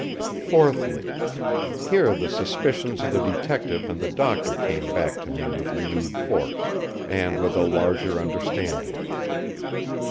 Fourthly: here the suspicions of the Detective and the Doctor came back to me with renewed force, and with a larger understanding.